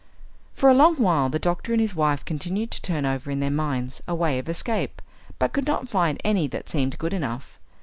For a long while the doctor and his wife continued to turn over in their minds a way of escape, but could not find any that seemed good enough.